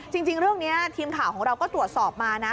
จริงเรื่องนี้ทีมข่าวของเราก็ตรวจสอบมานะ